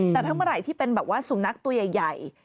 แต่เมื่อไหร่ที่เป็นสุนัขตัวใหญ่